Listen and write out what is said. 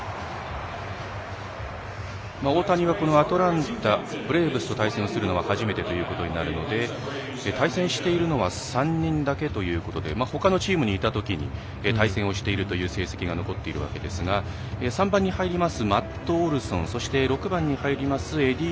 大谷はこのアトランタ・ブレーブスと対戦するのは初めてということになるので対戦しているのは３人だけということでほかのチームにいたときに対戦している成績が残っているんですがそして、６番に入りますエディ